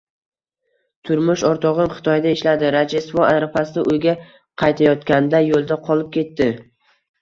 Turmush o`rtog`im Xitoyda ishladi, Rojdestvo arafasida uyga qaytayotganda, yo`lda qolib ketdi